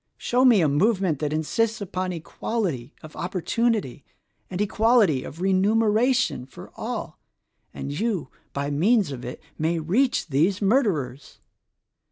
Show me a movement that insists upon equality of opportunity and equality of remuneration for all, and you by means of it may reach these murderers!